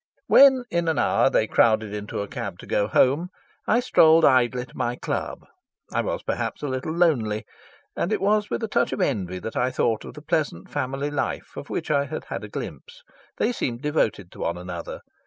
When in an hour they crowded into a cab to go home, I strolled idly to my club. I was perhaps a little lonely, and it was with a touch of envy that I thought of the pleasant family life of which I had had a glimpse. They seemed devoted to one another.